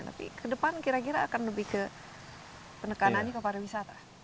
tapi ke depan kira kira akan lebih ke penekanannya ke pariwisata